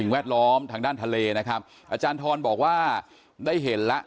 แวดล้อมทางด้านทะเลนะครับอาจารย์ทรบอกว่าได้เห็นแล้ว